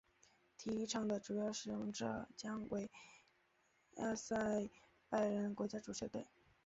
体育场的主要使用者将为亚塞拜然国家足球队。